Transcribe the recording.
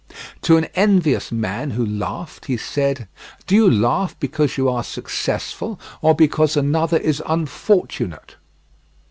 To an envious man who laughed, he said: "Do you laugh because you are successful or because another is unfortunate?"